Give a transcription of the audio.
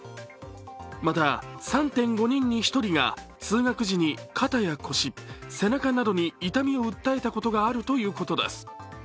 また、３．５人に１人が通学時に肩や腰、背中などに痛みを訴えたことがあるということです。